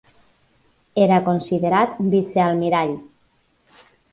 Era considerat vicealmirall.